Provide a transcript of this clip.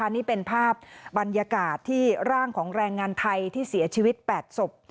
นี่เป็นภาพบรรยากาศที่ร่างของแรงงานไทยที่เสียชีวิต๘ศพ